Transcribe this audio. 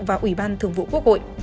và ủy ban thường vụ quốc hội